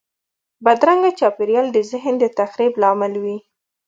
بدرنګه چاپېریال د ذهن د تخریب لامل وي